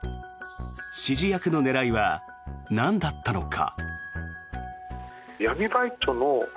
指示役の狙いはなんだったのか。